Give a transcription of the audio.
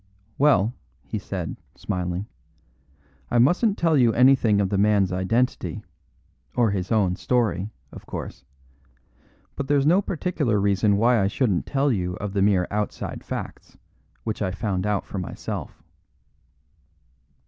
"Well," he said, smiling, "I mustn't tell you anything of the man's identity, or his own story, of course; but there's no particular reason why I shouldn't tell you of the mere outside facts which I found out for myself."